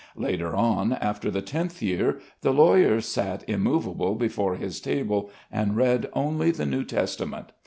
Later on, after the tenth year, the lawyer sat immovable before his table and read only the New Testament.